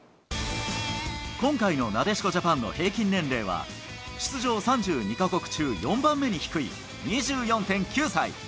今回のなでしこジャパンの平均年齢は、出場３２か国中４番目に低い２４．９歳。